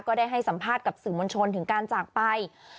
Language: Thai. ได้ให้สัมภาษณ์กับสื่อมวลชนถึงการจากไป